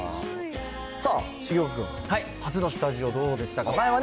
さあ、重岡君、初のスタジオ、どうでしたか。